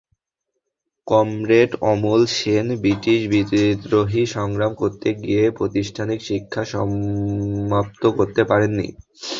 Comrade Amal Sen ব্রিটিশবিরোধী সংগ্রাম করতে গিয়ে প্রাতিষ্ঠানিক শিক্ষা সমাপ্ত করতে পারেননি।